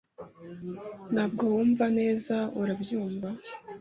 Ntabwo wumva neza, urabyumva?